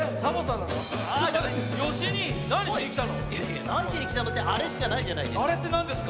なにしにきたのってあれしかないじゃないですか。